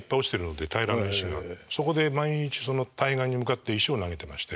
そこで毎日対岸に向かって石を投げてまして。